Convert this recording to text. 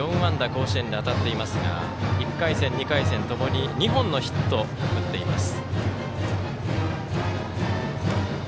甲子園で当たっていますが１回戦、２回戦ともに２本のヒットを打っています。